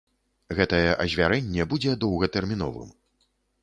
Гэтае азвярэнне будзе доўгатэрміновым.